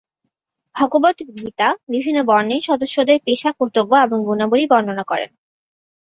ভগবদ্গীতা বিভিন্ন বর্ণের সদস্যদের পেশা, কর্তব্য এবং গুণাবলী বর্ণনা করে।